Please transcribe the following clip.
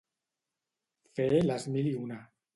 Fer les mil i una.